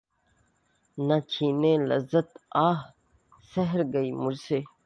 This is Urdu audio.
نہ چھین لذت آہ سحرگہی مجھ سے